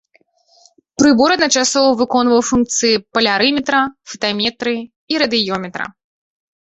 Прыбор адначасова выконваў функцыі палярыметра, фотаметрыі і радыёметра.